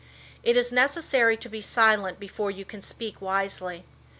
It is necessary to be silent before you can speak wisely.